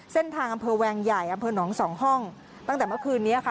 อำเภอแวงใหญ่อำเภอหนองสองห้องตั้งแต่เมื่อคืนนี้ค่ะ